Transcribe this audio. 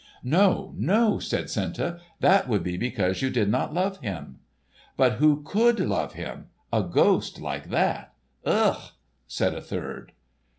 "No, no!" said Senta; "that would be because you did not love him!" "But who could love him—a ghost like that? Ugh!" said a third.